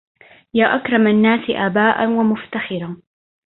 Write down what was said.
يا أكرم الناس آباء ومفتخرا